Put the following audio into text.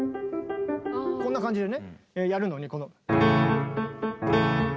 こんな感じでねやるのに。